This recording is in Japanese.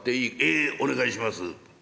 「ええお願いします」。